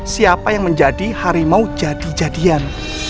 siapa yang menjadi harimau jadi jadian